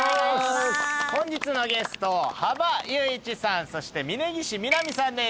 本日のゲスト羽場裕一さんそして峯岸みなみさんです